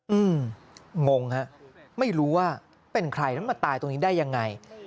อืมงงฮะไม่รู้ว่าเป็นใครแล้วมาตายตรงนี้ได้ยังไง